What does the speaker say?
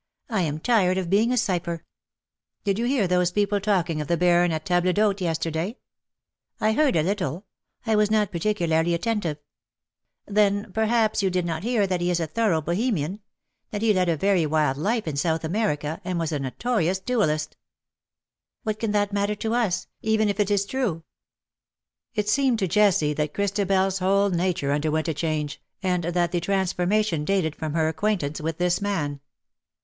I am tired of being a cipher/^ " Did you hear those people talking of the Baron at table d'hote yesterday T' *^ I heard a little — I was not particularly atten tive/' ^^ TIME TURNS THE OLD DAYS TO DERISIOI^," 145 "Then perhaps you did not hear that he is a thorough Bohemian — that he led a very wild life in South America, and was a notorious duellist/^ " What can that matter to us, even if it is true ?' It seemed to Jessie that Christabel's whole nature underwent a change, and that the transformation dated from her acquaintance with this man.